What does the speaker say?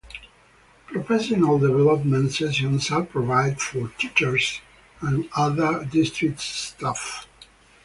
Professional development sessions are provided for teachers and other district staff.